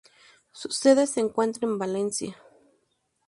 Su sede se encuentra en Valencia.